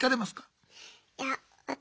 いや私